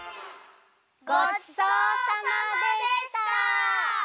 ごちそうさまでした！